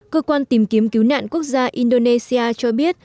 cơ quan tìm kiếm cứu nạn quốc gia indonesia cho biết